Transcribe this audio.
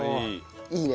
いいね。